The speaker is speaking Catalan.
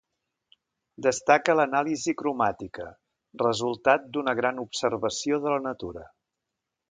Destaca l’anàlisi cromàtica, resultat d’una gran observació de la natura.